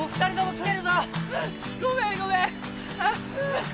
ごめんごめん。